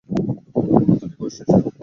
আমার উপর অত্যাচার করছিস কেন?